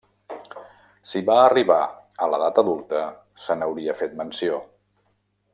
Si va arribar a l'edat adulta, se n'hauria fet menció.